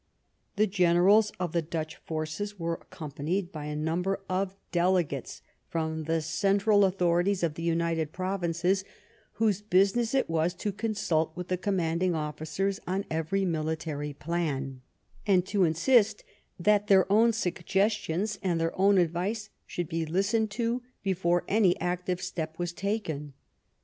The generals of the Dutch forces were accompanied by a number of delegates from the central authorities of the United Provinces, whose business it was to consult with the conmianding officers on every military plan, and to insist that their own suggestions and their own advice should be listened to before any active step was taken.